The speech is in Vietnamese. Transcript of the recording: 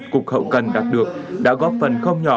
cục hậu cần đạt được đã góp phần không nhỏ